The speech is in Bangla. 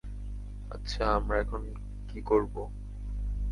আচ্ছা, আমরা এখন কী করব?